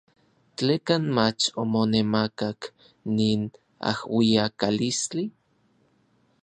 ¿Tlekan mach omonemakak nin ajuiakalistli.